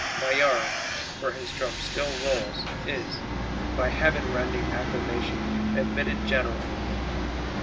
Maillard (for his drum still rolls) is, by heaven rending acclamation, admitted General.